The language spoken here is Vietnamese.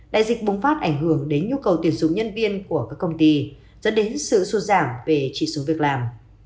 đại dịch bùng phát ảnh hưởng đến nhu cầu tuyển dụng nhân viên của các công ty dẫn đến sự sụt giảm về chỉ số việc làm